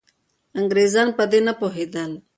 انګریزان په دې نه پوهېدل.